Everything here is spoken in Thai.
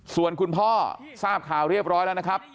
ส่วนคุณพ่อทราบข่าวเรียบร้อยแล้วนะครับ